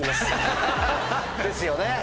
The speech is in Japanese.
ですよね。